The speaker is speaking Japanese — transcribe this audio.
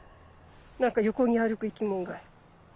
何か横に歩く生き物が。